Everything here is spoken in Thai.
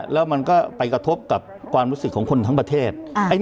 แล้วมันก็ไปกระทบกับความรู้สึกของคนทั้งประเทศ